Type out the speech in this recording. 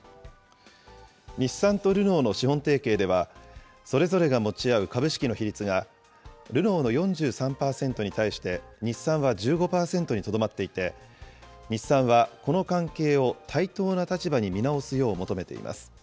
日産とルノーの資本提携では、それぞれが持ち合う株式の比率が、ルノーの４３％に対して、日産は１５％にとどまっていて、日産はこの関係を対等な立場に見直すよう求めています。